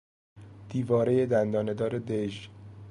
دیوارهی دندانه دار دژ